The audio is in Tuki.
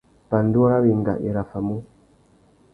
Pandú râ wenga i raffamú.